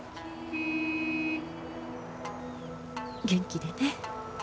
元気でね。